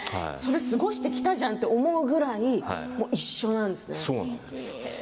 過ごしてきたじゃんと思うぐらい一緒なんですね。